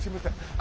あ。